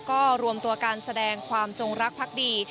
ก็รวมตัวการแสดงความจงรักพักดี